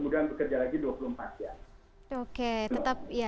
dan kemudian bekerja lagi dua puluh empat jam